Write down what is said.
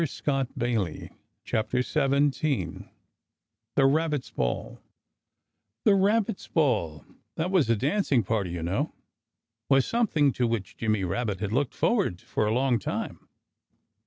[Illustration: 17 The Rabbits' Ball] 17 The Rabbits' Ball The Rabbits' Ball (that was a dancing party, you know) was something to which Jimmy Rabbit had looked forward for a long time.